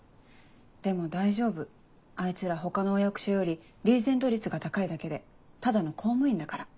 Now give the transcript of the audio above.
でも大丈夫あいつら他のお役所よりリーゼント率が高いだけでただの公務員だから。